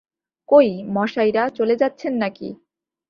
কই মশাইরা, চলে যাচ্ছেন নাকি?